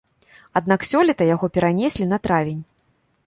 Аднак сёлета яго перанеслі на травень.